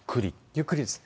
ゆっくりです。